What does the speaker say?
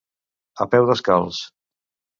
A peu descalç.